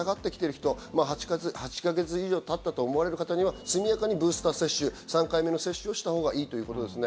８か月以上たったと思われる方には速やかにブースター接種、３回目の接種をしたほうがいいということですね。